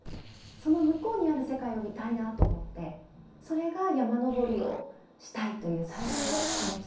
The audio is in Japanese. その向こうにある世界を見たいなと思ってそれが山登りをしたいという最初の気持ちでしたね。